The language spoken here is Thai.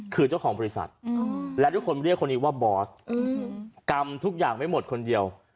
คือเจ้าของบริษัทและทุกคนเรียกคนนี้ว่าบอสกรรมทุกอย่างไม่หมดคนเดียว